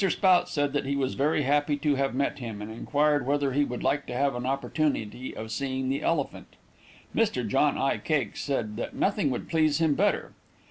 Spout said that he was very happy to have met him, and inquired whether he would like to have an opportunity of seeing the elephant. Mr. John I. Cake said that nothing would please him better.